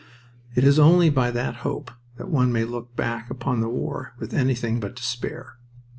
It is only by that hope that one may look back upon the war with anything but despair.